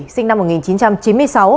sinh năm một nghìn chín trăm chín mươi sáu